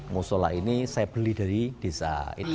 musola ini saya beli dari desa